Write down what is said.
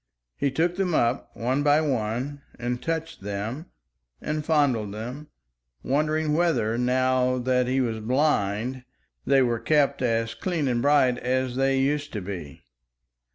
He took them up one by one and touched them and fondled them, wondering whether, now that he was blind, they were kept as clean and bright as they used to be.